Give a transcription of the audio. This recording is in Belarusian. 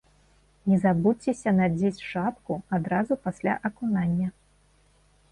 Не забудзьцеся надзець шапку адразу пасля акунання.